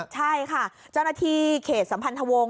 ใช่ค่ะเจ้าหน้าที่เขตสัมพันธวงศ